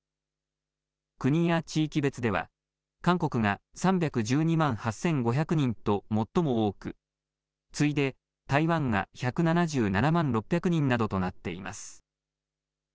国や地域別では韓国が３１２万８５００人と最も多く次いで、台湾が１７７万６００人などとなっています。